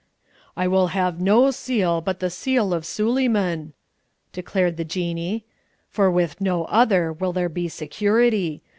"I will have no seal but the seal of Suleyman!" declared the Jinnee. "For with no other will there be security.